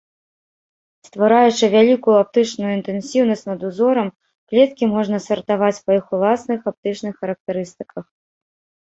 Ствараючы вялікую аптычную інтэнсіўнасць над узорам, клеткі можна сартаваць па іх уласных аптычных характарыстыках.